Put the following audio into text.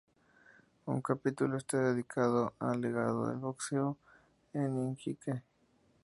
Un capítulo está dedicado al legado del boxeo en Iquique.